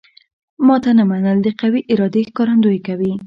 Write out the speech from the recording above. ماته نه منل د قوي ارادې ښکارندوی کوي